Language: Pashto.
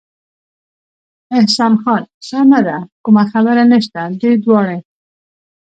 احسان خان: سمه ده، کومه خبره نشته، دوی دواړې.